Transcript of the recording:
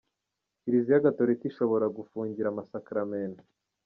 Kiliziya Gatorika ishobora gufungira amasakaramentu